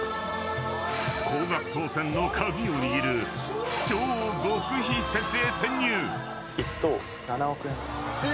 高額当せんの鍵を握る超極秘施設へ潜入。